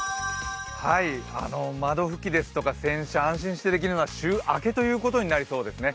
窓拭きですとか、洗車を安心してできるのは週明けということになりそうですね。